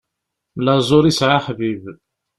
Laẓ ur isɛi aḥbib.